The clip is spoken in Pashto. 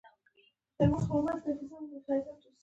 ما وويل استاده دا هغه پيسې دي.